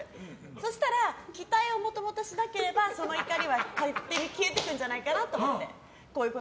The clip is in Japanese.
そしたら期待を元々しなければその怒りは勝手に消えてくんじゃないかなと思って。